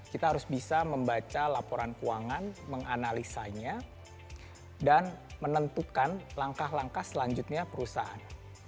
kita harus bisa membaca laporan keuangan menganalisanya dan menentukan langkah langkah selanjutnya perusahaan